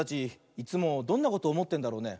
いつもどんなことおもってんだろうね。